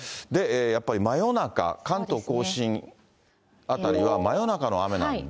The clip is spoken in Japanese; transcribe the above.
やっぱり真夜中、関東甲信辺りは真夜中の雨なので。